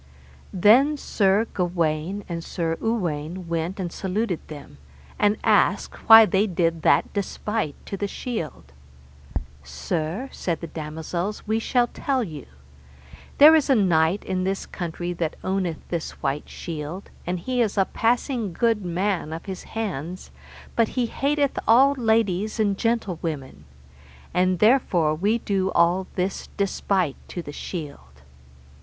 Then Sir Gawaine and Sir Uwaine went and saluted them, and asked why they did that despite to the shield. Sir, said the damosels, we shall tell you. There is a knight in this country that owneth this white shield, and he is a passing good man of his hands, but he hateth all ladies and gentlewomen, and therefore we do all this despite to the shield.